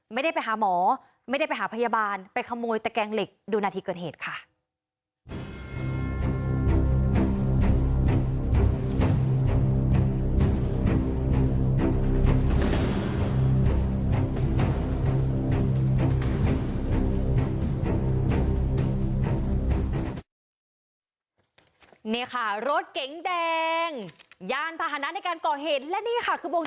ไม่ได้ไปหาหมอไม่ได้ไปหาพยาบาลไปขโมยตะแกงเหล็กดูนาทีเกิดเหตุค่ะ